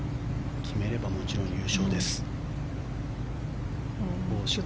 決めればもちろん優勝です。